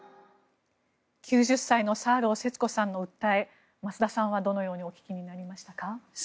９０歳のサーロー節子さんの訴え増田さんはどのようにお聞きになりましたか？